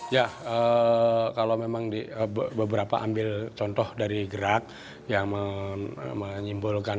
ya kalau memang beberapa ambil contoh dari gerak yang menyimpulkan